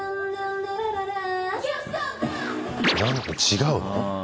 何か違うの？